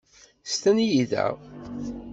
Stenyi da.